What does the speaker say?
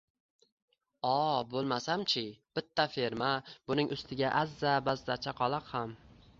O bo`lmasam-chi, bitta ferma, buning ustiga azza-bazza chakaloq ham